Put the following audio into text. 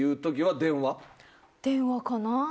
電話かな？